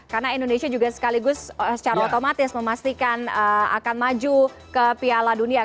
karena indonesia juga sekaligus secara otomatis memastikan akan maju ke piala dunia